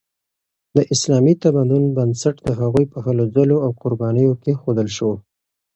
د اسلامي تمدن بنسټ د هغوی په هلو ځلو او قربانیو کیښودل شو.